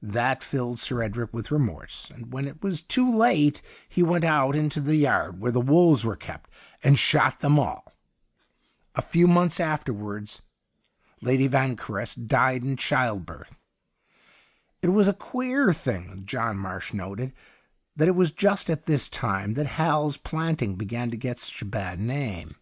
That filled Sir Edric with remorse, and, when it was too late, he went out into the yard where the wolves were kept and shot them all. A few months afterwards 126 THE UNDYING THING Lady Vanquerest died in childbirth. It was a queer things John Marsh noted, that it was just at this time that Hal's Planting began to get such a bad name.